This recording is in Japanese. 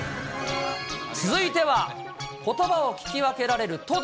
続いては、ことばを聞き分けられるトド。